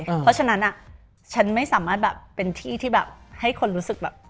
เพราะฉะนั้นฉันไม่สามารถแบบเป็นที่ที่แบบให้คนรู้สึกแบบ